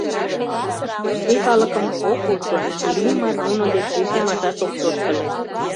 Шке калыкым ок уж гын, Иллимар нунын дек лишемашат ок тошт ыле.